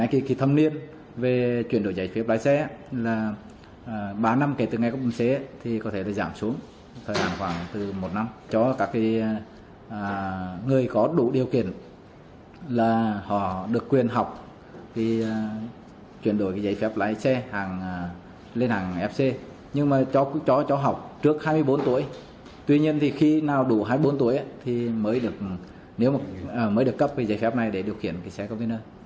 khi nào đủ hai mươi bốn tuổi thì mới được cấp dây khép này để điều khiển xe container